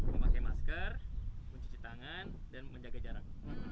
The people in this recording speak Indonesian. memakai masker mencuci tangan dan menjaga jarak